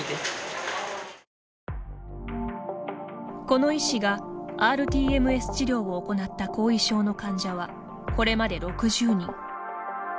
この医師がｒＴＭＳ治療を行った後遺症の患者はこれまで６０人。